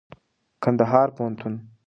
کنــدهـــار پوهنـتــون